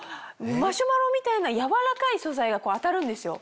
マシュマロみたいなやわらかい素材が当たるんですよ。